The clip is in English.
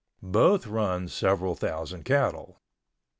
Both run several thousand cattle.